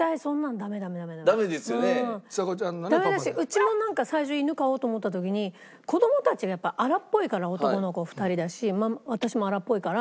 ダメだしうちも最初犬飼おうと思った時に子供たちがやっぱ荒っぽいから男の子２人だし私も荒っぽいから。